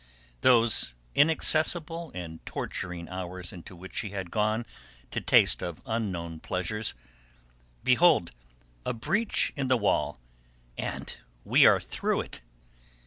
Those inaccessible and torturing hours into which she had gone to taste of unknown pleasures behold, a breach in the wall, and we are through it.